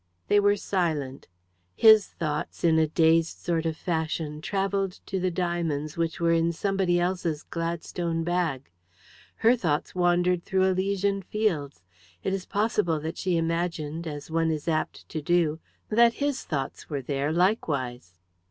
They were silent. His thoughts, in a dazed sort of fashion, travelled to the diamonds which were in somebody else's Gladstone bag. Her thoughts wandered through Elysian fields. It is possible that she imagined as one is apt to do that his thoughts were there likewise.